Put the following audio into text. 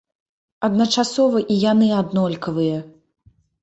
Адначасова, і яны аднолькавыя!